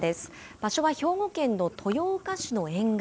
場所は兵庫県の豊岡市の沿岸。